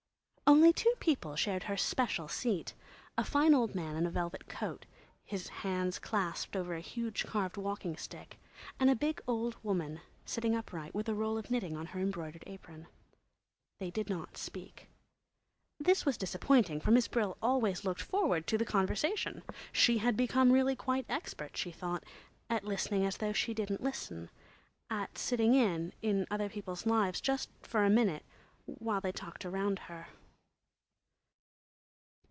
Only two people shared her "special" seat: a fine old man in a velvet coat, his hands clasped over a huge carved walking stick, and a big old woman, sitting upright, with a roll of knitting on her embroidered apron. They did not speak. This was disappointing, for Miss Brill always looked forward to the conversation. She had become really quite expert, she thought, at listening as though she didn't listen, at sitting in other people's lives just for a minute while they talked round her.